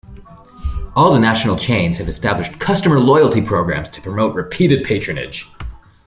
All the national chains have established customer loyalty programs to promote repeated patronage.